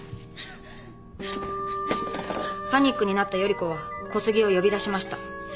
パニックになった頼子は小杉を呼び出しました。